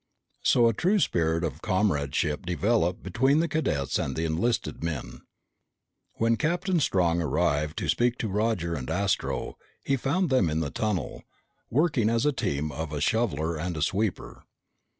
So a true spirit of comradeship developed between the cadets and the enlisted men. When Captain Strong arrived to speak to Roger and Astro, he found them in the tunnel, working as a team of a shoveler and a sweeper.